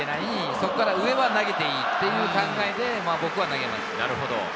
そこから上は投げていいという考えで僕は投げます。